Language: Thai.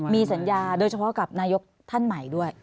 มีสัญญาโดยเฉพาะกับนายกท่านใหม่ด้วย